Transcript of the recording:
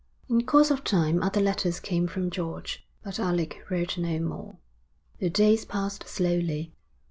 In course of time other letters came from George, but Alec wrote no more. The days passed slowly.